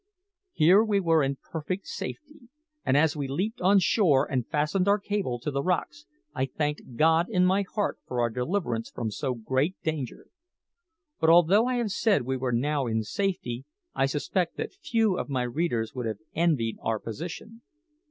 Here we were in perfect safety, and as we leaped on shore and fastened our cable to the rocks, I thanked God in my heart for our deliverance from so great danger. But although I have said we were now in safety, I suspect that few of my readers would have envied our position.